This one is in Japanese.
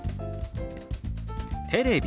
「テレビ」。